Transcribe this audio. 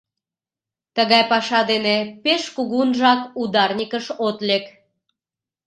Тыгай паша дене пеш кугунжак ударникыш от лек.